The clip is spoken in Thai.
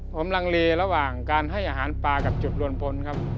ผมลังเลระหว่างการให้อาหารปลากับจุดรวมพลครับ